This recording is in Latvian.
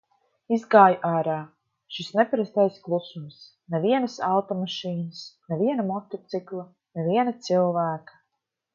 Izgāju ārā, šis neparastais klusums, nevienas automašīnas, ne viena motocikla, ne viena cilvēka.